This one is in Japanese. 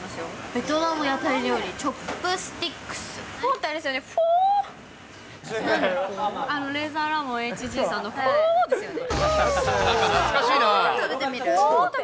ベトナム屋台料理、チョップフォーってあれですね、フォー、レイザーラモンＨＧさんのフォー！ですよね。